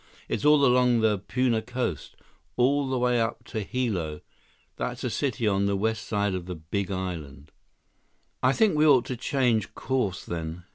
It's all along the Puna coast, all the way up to Hilo—that's a city on the west side of the Big Island." "I think we ought to change course, then.